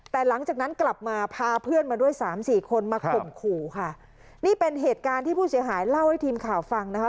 แต่หลังจากนั้นกลับมาพาเพื่อนมาด้วยสามสี่คนมาข่มขู่ค่ะนี่เป็นเหตุการณ์ที่ผู้เสียหายเล่าให้ทีมข่าวฟังนะคะ